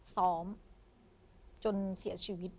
ซ้อมจนเสียชีวิต